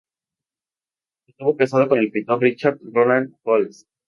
Estuvo casada con el pintor Richard Roland Holst.